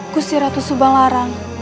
kusir ratu subang larang